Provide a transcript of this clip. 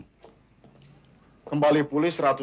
kemungkinan bisa dipulihkan